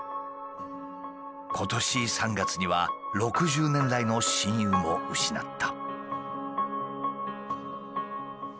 今年３月には６０年来の親友も失った。